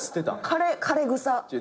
枯れた草。